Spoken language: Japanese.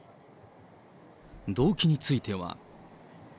動機については。